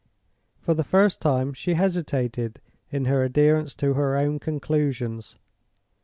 For the first time she hesitated in her adherence to her own conclusions.